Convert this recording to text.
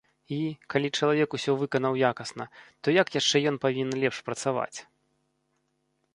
І, калі чалавек усё выканаў якасна, то як яшчэ ён павінен лепш працаваць?